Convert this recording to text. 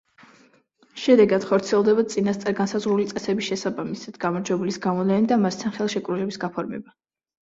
შედეგად, ხორციელდება, წინასწარ განსაზღვრული წესების შესაბამისად, გამარჯვებულის გამოვლენა და მასთან ხელშეკრულების გაფორმება.